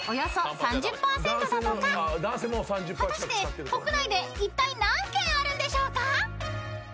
［果たして国内でいったい何軒あるんでしょうか？］